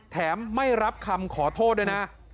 ไม่รับคำขอโทษด้วยนะ